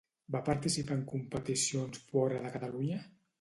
Va participar en competicions fora de Catalunya?